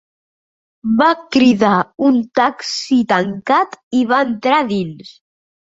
Va cridar un taxi tancat i va entrar dins.